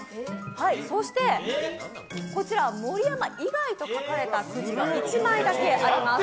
そして、こちら「盛山以外」と書かれたくじが１枚だけあります。